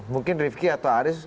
mungkin rifqi atau aris